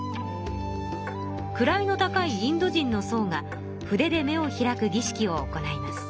位の高いインド人のそうが筆で目を開くぎ式を行います。